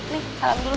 nih salam dulu